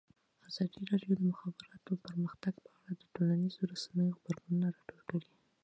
ازادي راډیو د د مخابراتو پرمختګ په اړه د ټولنیزو رسنیو غبرګونونه راټول کړي.